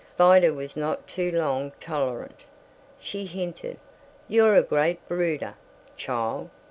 Vida was not too long tolerant. She hinted, "You're a great brooder, child.